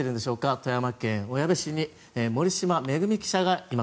富山県小矢部市に森嶋萌記者がいます。